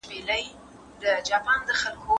ثمر ګل وویل چې هر نیالګي ایښودل د ثواب کار دی.